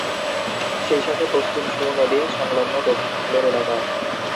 সেই সাথে পশ্চিম সু নদী সংলগ্ন দক্ষিণ ঢালের এলাকা।